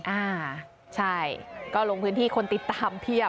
อ่าใช่ก็ลงพื้นที่คนติดตามเพียบ